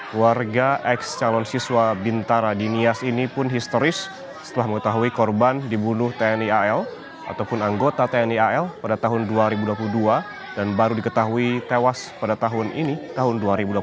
keluarga ex calon siswa bintara di nias ini pun historis setelah mengetahui korban dibunuh tni al ataupun anggota tni al pada tahun dua ribu dua puluh dua dan baru diketahui tewas pada tahun ini tahun dua ribu dua puluh satu